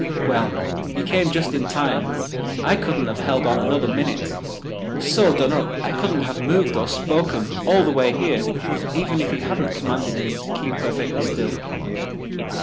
"Well, he came just in time. I couldn't have held on another minute—was so done up I couldn't have moved or spoken all the way here even if he hadn't commanded me to keep perfectly still."